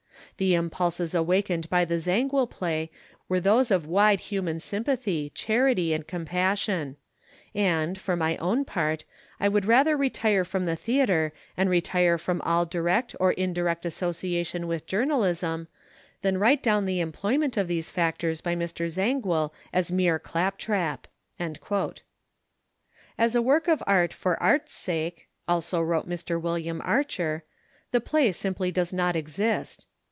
The impulses awakened by the Zangwill play were those of wide human sympathy, charity, and compassion; and, for my own part, I would rather retire from the theatre and retire from all direct or indirect association with journalism than write down the employment of these factors by Mr. Zangwill as mere claptrap." "As a work of art for art's sake," also wrote Mr. William Archer, "the play simply does not exist."